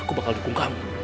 aku bakal dukung kamu